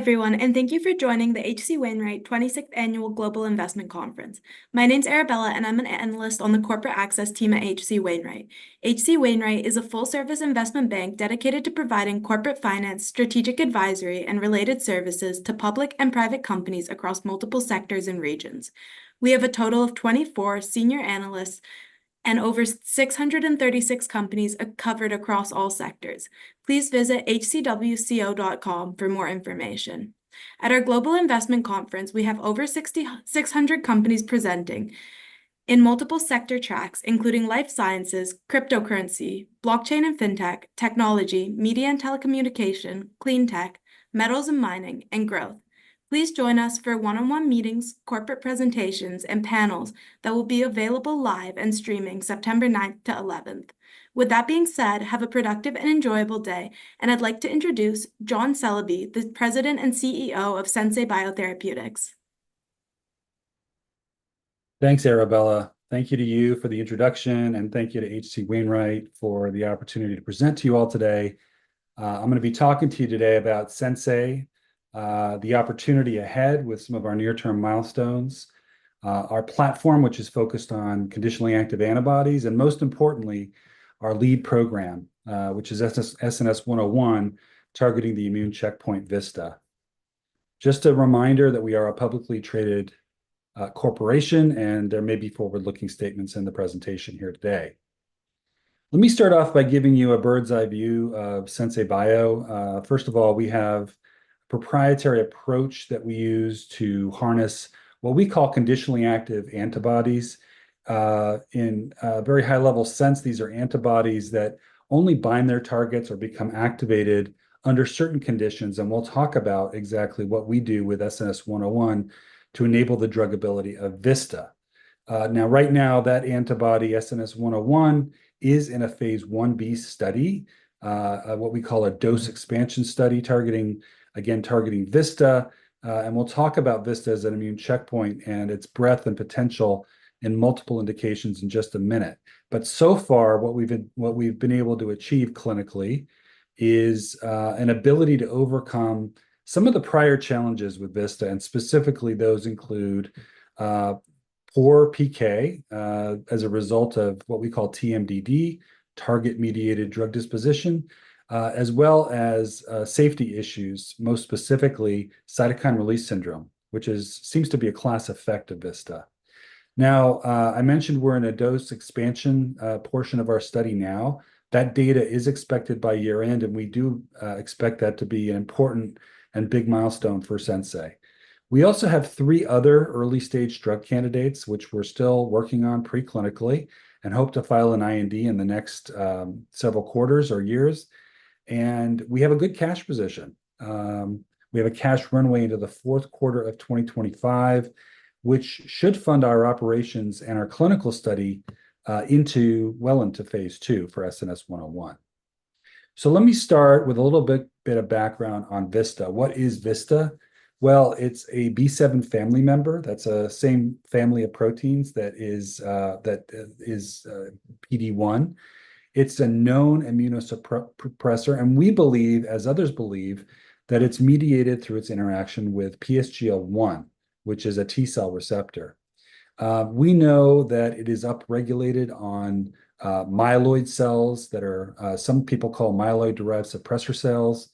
Hi, everyone, and thank you for joining the H.C. Wainwright 26th Annual Global Investment Conference. My name's Arabella, and I'm an analyst on the corporate access team at H.C. Wainwright. H.C. Wainwright is a full-service investment bank dedicated to providing corporate finance, strategic advisory, and related services to public and private companies across multiple sectors and regions. We have a total of 24 senior analysts and over 636 companies covered across all sectors. Please visit hcwco.com for more information. At our global investment conference, we have over 6,600 companies presenting in multiple sector tracks, including life sciences, cryptocurrency, blockchain and fintech, technology, media and telecommunication, clean tech, metals and mining, and growth. Please join us for one-on-one meetings, corporate presentations, and panels that will be available live and streaming September 9th-11th 2024. With that being said, have a productive and enjoyable day, and I'd like to introduce John Celebi, the President and CEO of Sensei Biotherapeutics. Thanks, Arabella. Thank you to you for the introduction, and thank you to H.C. Wainwright for the opportunity to present to you all today. I'm gonna be talking to you today about Sensei, the opportunity ahead with some of our near-term milestones, our platform, which is focused on conditionally active antibodies, and most importantly, our lead program, which is SNS-101, targeting the immune checkpoint VISTA. Just a reminder that we are a publicly traded corporation, and there may be forward-looking statements in the presentation here today. Let me start off by giving you a bird's-eye view of Sensei Bio. First of all, we have a proprietary approach that we use to harness what we call conditionally active antibodies. In a very high-level sense, these are antibodies that only bind their targets or become activated under certain conditions, and we'll talk about exactly what we do with SNS-101 to enable the druggability of VISTA. Now, right now, that antibody, SNS-101, is in a phase I-B study, what we call a dose-expansion study, again, targeting VISTA, and we'll talk about VISTA as an immune checkpoint and its breadth and potential in multiple indications in just a minute. But so far, what we've been able to achieve clinically is an ability to overcome some of the prior challenges with VISTA, and specifically, those include poor PK as a result of what we call TMDD, target-mediated drug disposition, as well as safety issues, most specifically cytokine release syndrome, which seems to be a class effect of VISTA. Now, I mentioned we're in a dose expansion portion of our study now. That data is expected by year-end, and we do expect that to be an important and big milestone for Sensei. We also have three other early-stage drug candidates, which we're still working on preclinically, and hope to file an IND in the next several quarters or years. And we have a good cash position. We have a cash runway into the fourth quarter of 2025, which should fund our operations and our clinical study into phase II for SNS-101. Let me start with a little bit of background on VISTA. What is VISTA? It's a B7 family member. That's the same family of proteins that is PD-1. It's a known immunosuppressor, and we believe, as others believe, that it's mediated through its interaction with PSGL-1, which is a T cell receptor. We know that it is upregulated on myeloid cells that some people call myeloid-derived suppressor cells.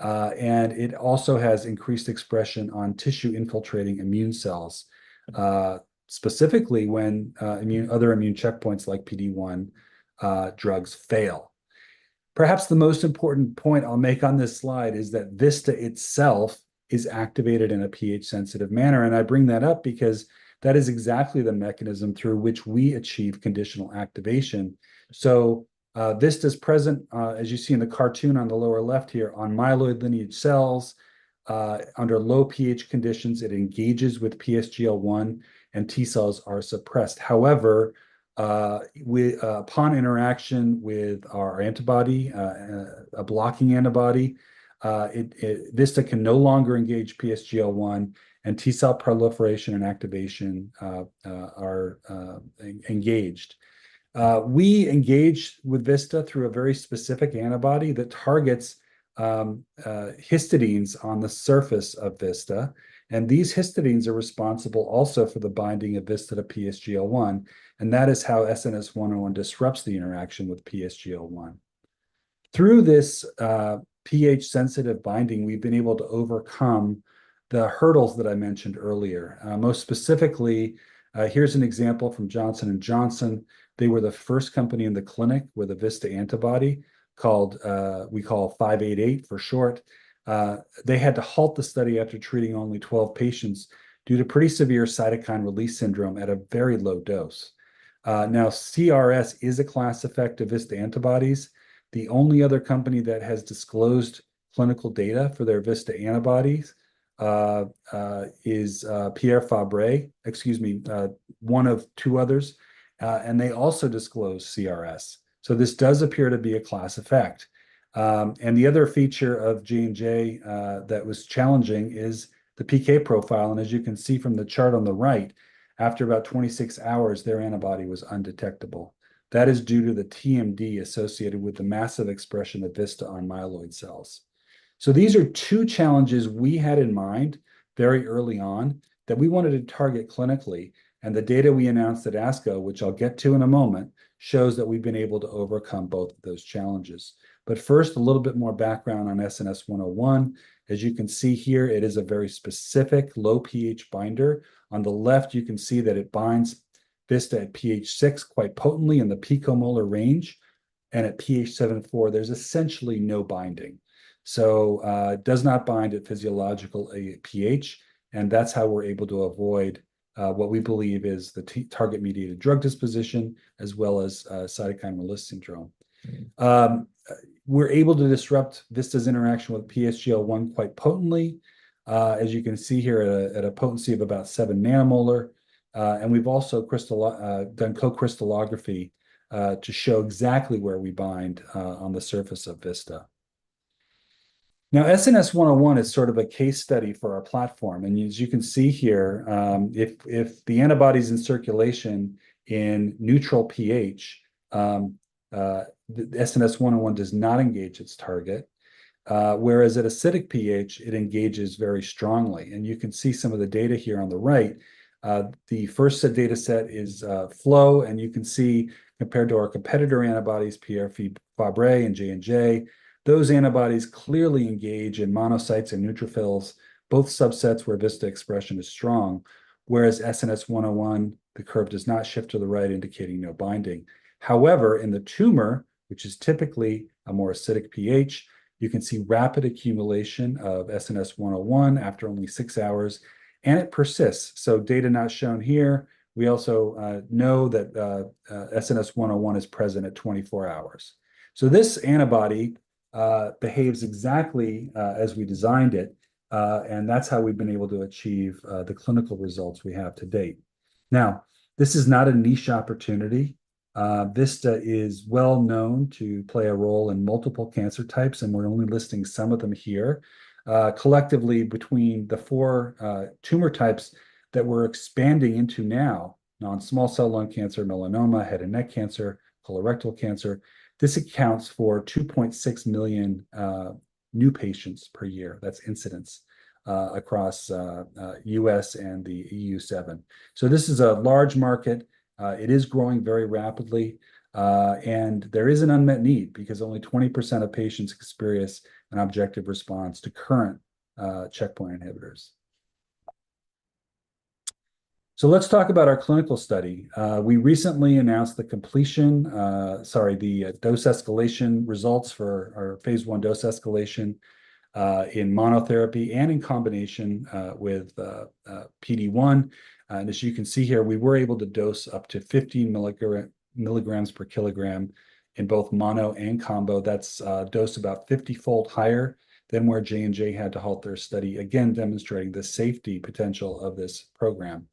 And it also has increased expression on tissue-infiltrating immune cells, specifically when other immune checkpoints, like PD-1, drugs fail. Perhaps the most important point I'll make on this slide is that VISTA itself is activated in a pH-sensitive manner, and I bring that up because that is exactly the mechanism through which we achieve conditional activation. So, VISTA is present, as you see in the cartoon on the lower left here, on myeloid lineage cells. Under low pH conditions, it engages with PSGL-1, and T cells are suppressed. However, upon interaction with our antibody, a blocking antibody, VISTA can no longer engage PSGL-1, and T cell proliferation and activation are engaged. We engage with VISTA through a very specific antibody that targets histidines on the surface of VISTA, and these histidines are responsible also for the binding of VISTA to PSGL-1, and that is how SNS-101 disrupts the interaction with PSGL-1. Through this, pH-sensitive binding, we've been able to overcome the hurdles that I mentioned earlier. Most specifically, here's an example from Johnson & Johnson. They were the first company in the clinic with a VISTA antibody called, we call five-eight-eight, for short. They had to halt the study after treating only twelve patients due to pretty severe cytokine release syndrome at a very low dose. Now, CRS is a class effect of VISTA antibodies. The only other company that has disclosed clinical data for their VISTA antibodies is Pierre Fabre, excuse me, one of two others, and they also disclose CRS. So this does appear to be a class effect. And the other feature of J&J that was challenging is the PK profile, and as you can see from the chart on the right, after about 26 hours, their antibody was undetectable. That is due to the TMDD associated with the massive expression of VISTA on myeloid cells. So these are two challenges we had in mind very early on that we wanted to target clinically, and the data we announced at ASCO, which I'll get to in a moment, shows that we've been able to overcome both of those challenges. But first, a little bit more background on SNS-101. As you can see here, it is a very specific low pH binder. On the left, you can see that it binds VISTA at pH 6 quite potently in the picomolar range, and at pH 7.4, there's essentially no binding. It does not bind at physiological pH, and that's how we're able to avoid what we believe is the target-mediated drug disposition as well as cytokine release syndrome. We're able to disrupt VISTA's interaction with PSGL-1 quite potently, as you can see here at a potency of about seven nanomolar, and we've also done co-crystallography to show exactly where we bind on the surface of VISTA. Now, SNS-101 is sort of a case study for our platform, and as you can see here, if the antibody's in circulation in neutral pH, the SNS-101 does not engage its target, whereas at acidic pH, it engages very strongly. You can see some of the data here on the right. The first set data set is flow, and you can see, compared to our competitor antibodies, Pierre Fabre and J&J, those antibodies clearly engage in monocytes and neutrophils, both subsets where VISTA expression is strong, whereas SNS-101, the curve does not shift to the right, indicating no binding. However, in the tumor, which is typically a more acidic pH, you can see rapid accumulation of SNS-101 after only six hours, and it persists. So data not shown here, we also know that SNS-101 is present at 24 hours. So this antibody behaves exactly as we designed it, and that's how we've been able to achieve the clinical results we have to date. Now, this is not a niche opportunity. VISTA is well known to play a role in multiple cancer types, and we're only listing some of them here. Collectively, between the four tumor types that we're expanding into now, non-small cell lung cancer, melanoma, head and neck cancer, colorectal cancer, this accounts for 2.6 million new patients per year. That's incidence across the U.S. and the EU7. This is a large market. It is growing very rapidly, and there is an unmet need, because only 20% of patients experience an objective response to current checkpoint inhibitors. Let's talk about our clinical study. We recently announced the completion, sorry, the dose escalation results for our phase I dose escalation in monotherapy and in combination with PD-1. And as you can see here, we were able to dose up to 15 milligrams per kilogram in both mono and combo. That's a dose about 50-fold higher than where J&J had to halt their study, again, demonstrating the safety potential of this program.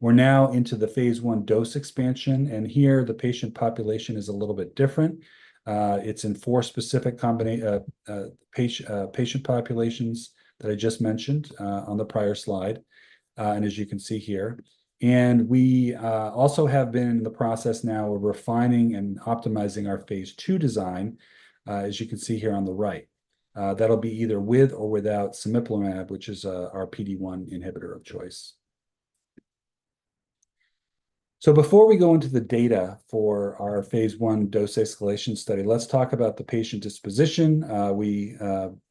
We're now into the phase I dose expansion, and here the patient population is a little bit different. It's in four specific patient populations that I just mentioned on the prior slide, and as you can see here. We also have been in the process now of refining and optimizing our phase II design, as you can see here on the right. That'll be either with or without cemiplimab, which is our PD-1 inhibitor of choice. So before we go into the data for our phase I dose escalation study, let's talk about the patient disposition. We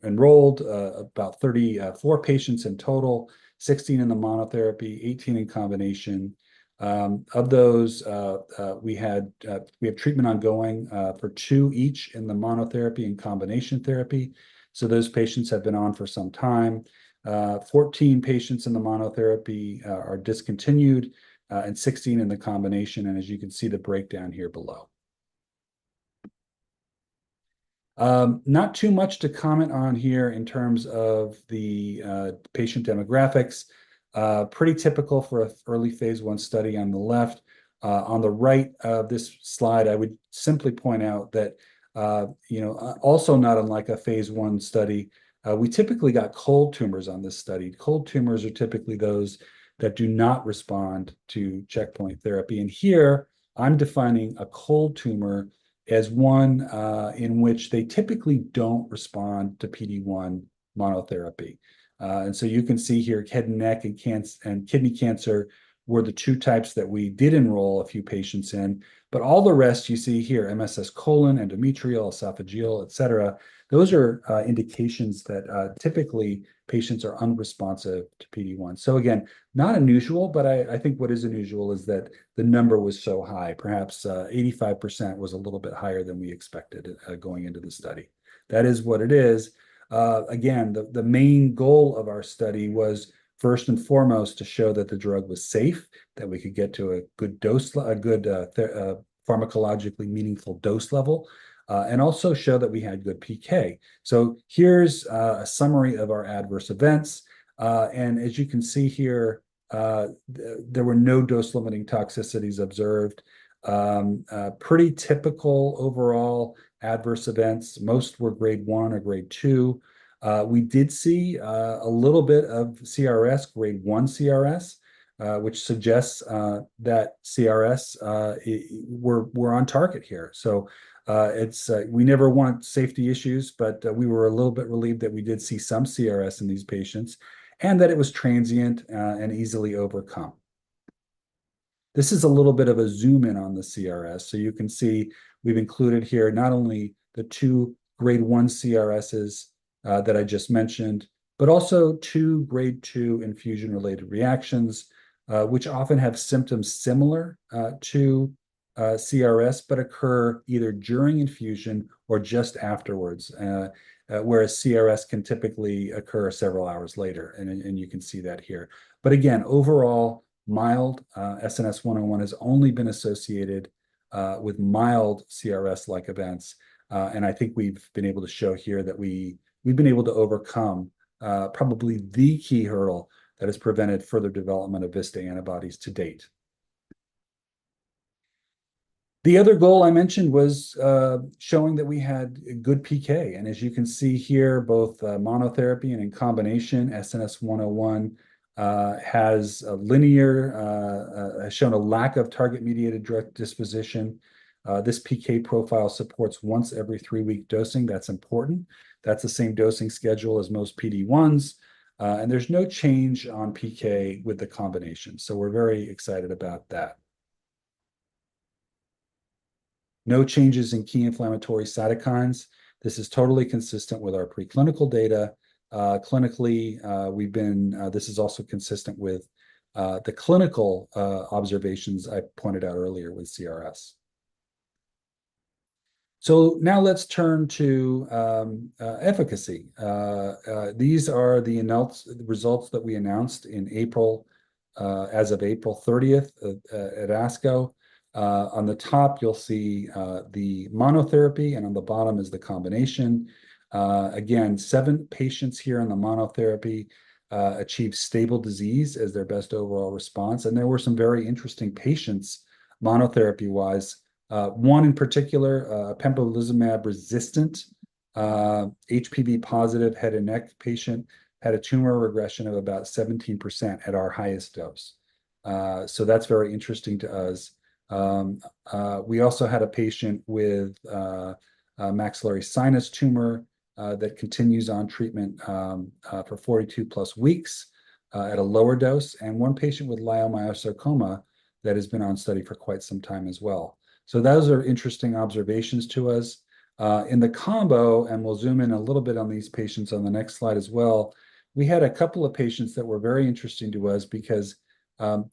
enrolled about 34 patients in total, 16 in the monotherapy, 18 in combination. Of those, we have treatment ongoing for two each in the monotherapy and combination therapy, so those patients have been on for some time. 14 patients in the monotherapy are discontinued, and 16 in the combination, and as you can see the breakdown here below. Not too much to comment on here in terms of the patient demographics. Pretty typical for an early phase I study on the left. On the right of this slide, I would simply point out that, you know, also not unlike a phase I study, we typically got cold tumors on this study. Cold tumors are typically those that do not respond to checkpoint therapy, and here, I'm defining a cold tumor as one in which they typically don't respond to PD-1 monotherapy. And so you can see here, head and neck cancer and kidney cancer were the two types that we did enroll a few patients in, but all the rest you see here, MSS colon, endometrial, esophageal, et cetera, those are indications that typically patients are unresponsive to PD-1. So again, not unusual, but I think what is unusual is that the number was so high. Perhaps 85% was a little bit higher than we expected going into the study. That is what it is. Again, the main goal of our study was first and foremost to show that the drug was safe, that we could get to a good pharmacologically meaningful dose level, and also show that we had good PK. Here's a summary of our adverse events, and as you can see here, there were no dose-limiting toxicities observed. Pretty typical overall adverse events. Most were grade one or grade two. We did see a little bit of CRS, grade one CRS, which suggests that CRS, we're on target here, so it's we never want safety issues, but we were a little bit relieved that we did see some CRS in these patients, and that it was transient, and easily overcome. This is a little bit of a zoom in on the CRS. So you can see we've included here not only the two grade one CRS's that I just mentioned, but also two grade two infusion-related reactions, which often have symptoms similar to CRS, but occur either during infusion or just afterwards. Whereas CRS can typically occur several hours later, and you can see that here. But again, overall, mild, SNS-101 has only been associated with mild CRS-like events, and I think we've been able to show here that we've been able to overcome probably the key hurdle that has prevented further development of VISTA antibodies to date. The other goal I mentioned was showing that we had good PK, and as you can see here, both monotherapy and in combination, SNS-101 has a linear. Has shown a lack of target-mediated drug disposition. This PK profile supports once every three-week dosing. That's important. That's the same dosing schedule as most PD-1s, and there's no change on PK with the combination, so we're very excited about that. No changes in key inflammatory cytokines. This is totally consistent with our preclinical data. This is also consistent with the clinical observations I pointed out earlier with CRS. So now let's turn to efficacy. These are the results that we announced in April, as of April 30th 2024, at ASCO. On the top, you'll see the monotherapy, and on the bottom is the combination. Again, seven patients here in the monotherapy achieved stable disease as their best overall response, and there were some very interesting patients monotherapy-wise. One in particular, pembrolizumab-resistant, HPV-positive head and neck patient, had a tumor regression of about 17% at our highest dose. So that's very interesting to us. We also had a patient with a maxillary sinus tumor that continues on treatment for 42+ weeks at a lower dose, and one patient with leiomyosarcoma that has been on study for quite some time as well. So those are interesting observations to us. In the combo, and we'll zoom in a little bit on these patients on the next slide as well, we had a couple of patients that were very interesting to us because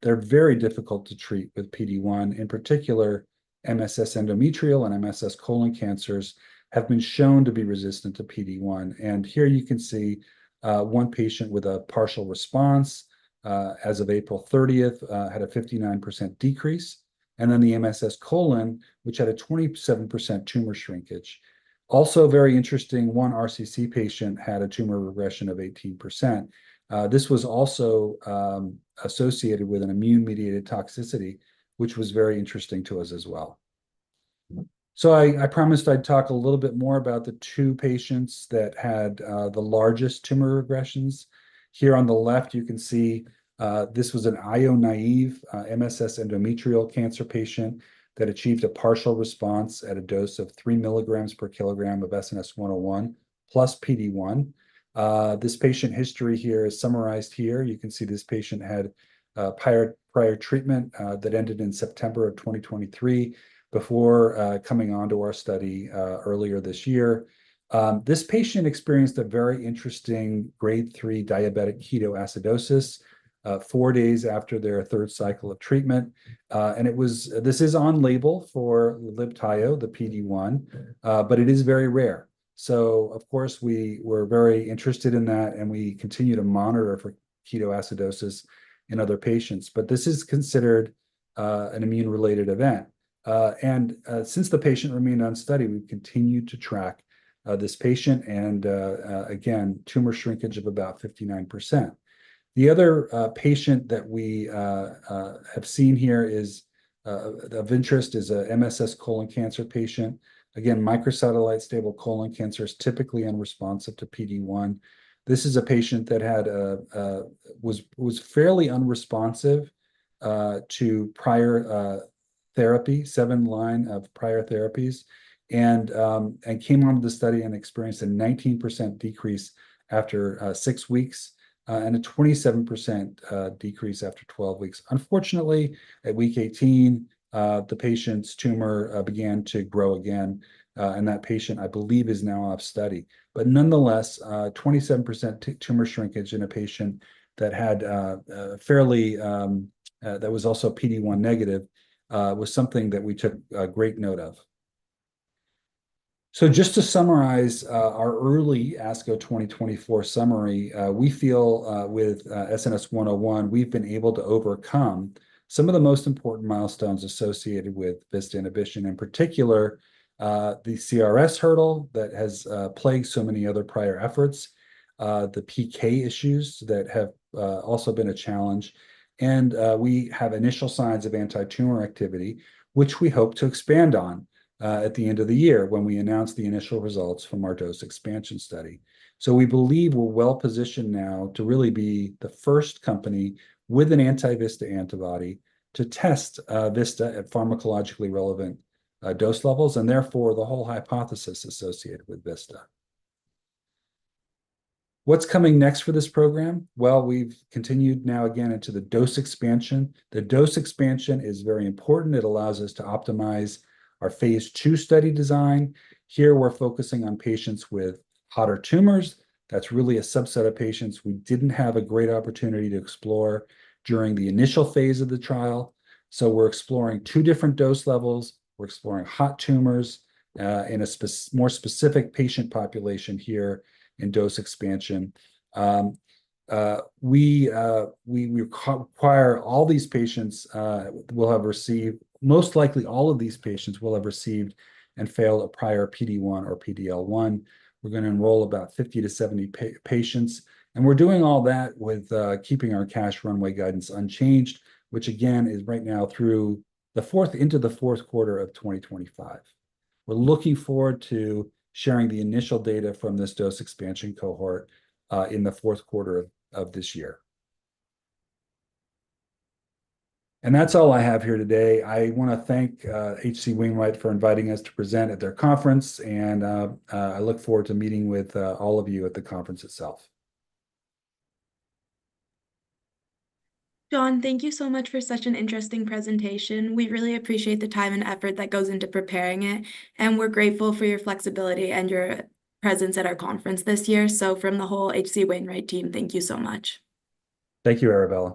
they're very difficult to treat with PD-1. In particular, MSS endometrial and MSS colon cancers have been shown to be resistant to PD-1, and here you can see, one patient with a partial response, as of April thirtieth, had a 59% decrease, and then the MSS colon, which had a 27% tumor shrinkage. Also very interesting, one RCC patient had a tumor regression of 18%. This was also associated with an immune-mediated toxicity, which was very interesting to us as well. I promised I'd talk a little bit more about the two patients that had the largest tumor regressions. Here on the left, you can see, this was an IO-naive MSS endometrial cancer patient that achieved a partial response at a dose of three milligrams per kilogram of SNS-101, plus PD-1. This patient history here is summarized here. You can see this patient had prior, prior treatment that ended in September of 2023 before coming onto our study earlier this year. This patient experienced a very interesting grade III diabetic ketoacidosis four days after their third cycle of treatment, and this is on label for Libtayo, the PD-1, but it is very rare. So of course, we were very interested in that, and we continue to monitor for ketoacidosis in other patients. But this is considered an immune-related event. And since the patient remained on study, we've continued to track this patient, and again, tumor shrinkage of about 59%. The other patient that we have seen here is of interest, is a MSS colon cancer patient. Again, microsatellite stable colon cancer is typically unresponsive to PD-1. This is a patient that had was fairly unresponsive to prior therapy, seven lines of prior therapies, and came onto the study and experienced a 19% decrease after six weeks and a 27% decrease after 12 weeks. Unfortunately, at week 18, the patient's tumor began to grow again and that patient, I believe, is now off study. But nonetheless, 27% tumor shrinkage in a patient that had fairly. That was also PD-1 negative was something that we took great note of. So just to summarize, our early ASCO 2024 summary, we feel, with SNS-101, we've been able to overcome some of the most important milestones associated with VISTA inhibition, in particular, the CRS hurdle that has plagued so many other prior efforts, the PK issues that have also been a challenge, and we have initial signs of anti-tumor activity, which we hope to expand on at the end of the year, when we announce the initial results from our dose expansion study. So we believe we're well-positioned now to really be the first company with an anti-VISTA antibody to test VISTA at pharmacologically relevant dose levels, and therefore, the whole hypothesis associated with VISTA. What's coming next for this program? Well, we've continued now again into the dose expansion. The dose expansion is very important. It allows us to optimize our phase II study design. Here, we're focusing on patients with hotter tumors. That's really a subset of patients we didn't have a great opportunity to explore during the initial phase of the trial. So we're exploring two different dose levels. We're exploring hot tumors in a more specific patient population here in dose expansion. Most likely, all of these patients will have received and failed a prior PD-1 or PD-L1. We're gonna enroll about 50 to 70 patients, and we're doing all that with keeping our cash runway guidance unchanged, which again, is right now through the fourth into the fourth quarter of 2025. We're looking forward to sharing the initial data from this dose expansion cohort in the fourth quarter of this year. And that's all I have here today. I wanna thank H.C. Wainwright for inviting us to present at their conference, and I look forward to meeting with all of you at the conference itself. John, thank you so much for such an interesting presentation. We really appreciate the time and effort that goes into preparing it, and we're grateful for your flexibility and your presence at our conference this year. So from the whole H.C. Wainwright team, thank you so much. Thank you, Arabella.